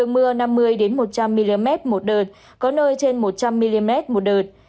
lượng mưa năm mươi một trăm linh mm một đợt có nơi trên một trăm linh mm một đợt